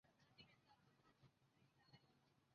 间羟基苯甲酸是单羟基苯甲酸的三种异构体之一。